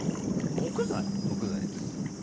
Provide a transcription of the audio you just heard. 木材です。